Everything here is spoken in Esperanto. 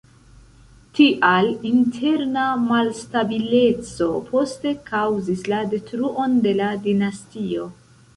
Tia interna malstabileco poste kaŭzis la detruon de la dinastio.